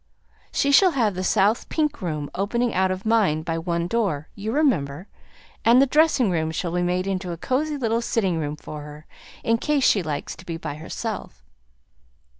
"She shall have the south pink room, opening out of mine by one door, you remember; and the dressing room shall be made into a cosy little sitting room for her, in case she likes to be by herself.